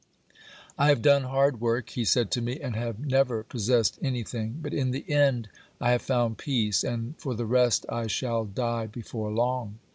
I have done hard work, he said to me, and have never possessed anything ; but in the end I have found peace, and, for the rest, I shall die before long.